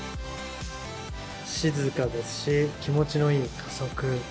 静かですし気持ちのいい加速。